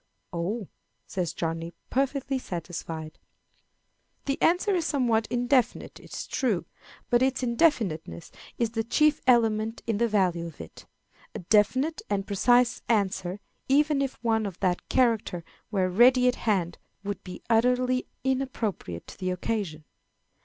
"Oh!" says Johnny, perfectly satisfied. The answer is somewhat indefinite, it is true, but its indefiniteness is the chief element in the value of it. A definite and precise answer, even if one of that character were ready at hand, would be utterly inappropriate to the occasion.